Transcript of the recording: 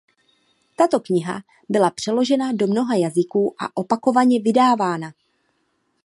Tato kniha byla přeložena do mnoha jazyků a opakovaně vydávána.